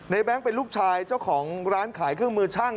แบงค์เป็นลูกชายเจ้าของร้านขายเครื่องมือช่าง